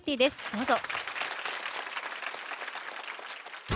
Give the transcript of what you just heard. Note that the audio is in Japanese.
どうぞ。